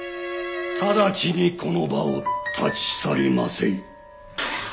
直ちにこの場を立ち去りませい。